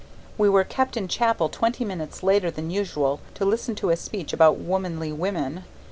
We were kept in chapel twenty minutes later than usual to listen to a speech about womanly women.